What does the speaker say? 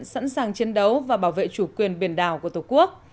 sẵn sàng chiến đấu và bảo vệ chủ quyền biển đảo của tổ quốc